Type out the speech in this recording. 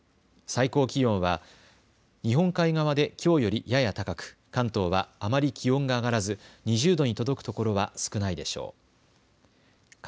最高気温は日本海側できょうよりやや高く関東はあまり気温が上がらず２０度に届くところは少ないでしょう。